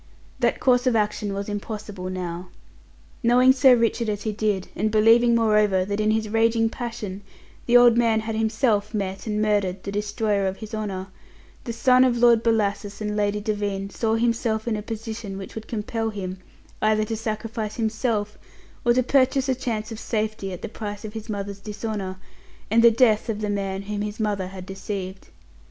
That course of action was impossible now. Knowing Sir Richard as he did, and believing, moreover, that in his raging passion the old man had himself met and murdered the destroyer of his honour, the son of Lord Bellasis and Lady Devine saw himself in a position which would compel him either to sacrifice himself, or to purchase a chance of safety at the price of his mother's dishonour and the death of the man whom his mother had deceived.